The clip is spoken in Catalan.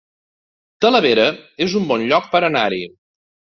Talavera es un bon lloc per anar-hi